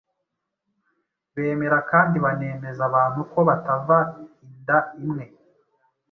bemera kandi banemeza abantu ko batava inda imwe,